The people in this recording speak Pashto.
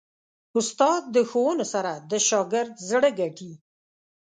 استاد د ښوونو سره د شاګرد زړه ګټي.